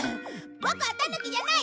ボクはタヌキじゃない！